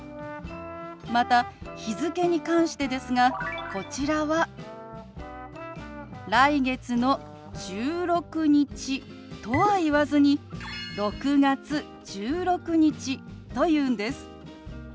また日付に関してですがこちらは「来月の１６日」とは言わずに「６月１６日」と言うんです。